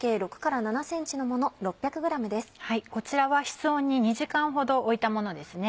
こちらは室温に２時間ほど置いたものですね。